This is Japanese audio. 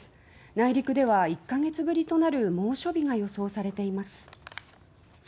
内陸では１か月ぶりとなる猛暑日が予想されています。